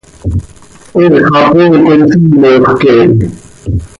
He xapoo com simox quee hi.